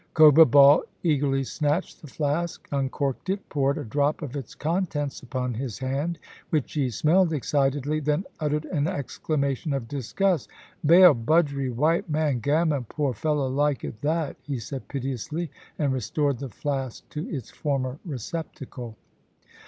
Cobra Ball eagerly snatched the flask, uncorked it, poured a drop of its contents upon his hand, which he smelled excitedly, then uttered an exclamation of disgust * Ba'al budgery white man gammon poor fellow like it that,'* he said piteously, and restored the flask to its former receptacle.